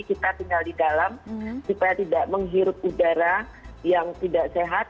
kita tinggal di dalam supaya tidak menghirup udara yang tidak sehat